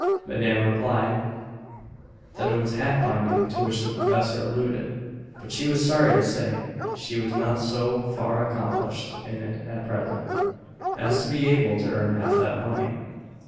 Madame replied, that it was hat binding to which the professor alluded; but she was sorry to say, she was not so far accomplished in it at present, as to be able to earn half that money.